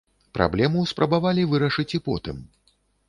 Праблему спрабавалі вырашыць і потым.